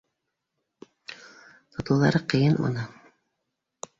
Тотоуҙары ҡыйын уны